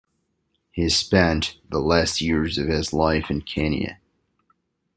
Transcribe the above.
He spent the last years of his life in Kenya.